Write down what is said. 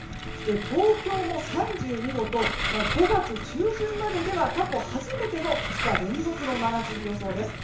東京も３２度と５月中旬まででは過去初めての２日連続の真夏日予想です。